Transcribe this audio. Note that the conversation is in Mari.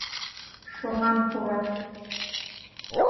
Шоҥан пурат